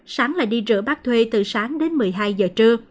sáng lại đi rửa bác thuê từ sáng đến một mươi hai giờ trưa